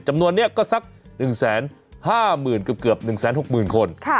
จำนวนนี้ก็สัก๑๕๐๐๐เกือบ๑๖๐๐๐คน